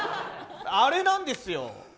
あれなんですよ。